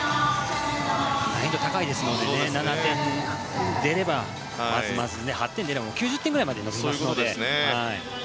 難易度が高いですので７点が出ればまずまずで、８点出れば９０点ぐらいまで伸びますので。